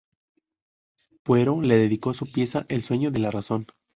Buero le dedicó su pieza "El sueño de la razón".